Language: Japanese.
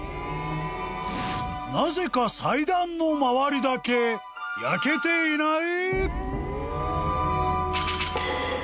［なぜか祭壇の周りだけ焼けていない？］